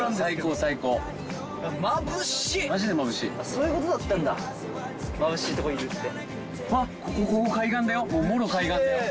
そういうことだったんだまぶしいとこいるって。